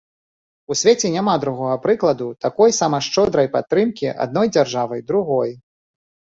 У свеце няма другога прыкладу такой сама шчодрай падтрымкі адной дзяржавай другой.